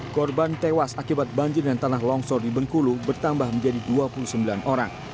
korban tewas akibat banjir dan tanah longsor di bengkulu bertambah menjadi dua puluh sembilan orang